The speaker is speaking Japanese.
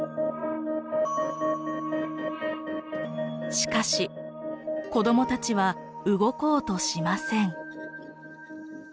しかし子どもたちは動こうとしません。